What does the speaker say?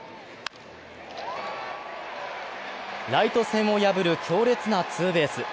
ライト線を破る強烈なツーベース。